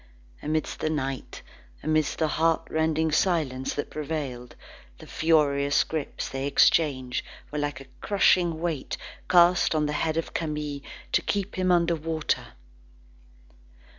Amidst the night, amidst the heartrending silence that prevailed, the furious grips they exchanged, were like a crushing weight cast on the head of Camille to keep him under water.